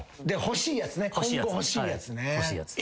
欲しいやつ。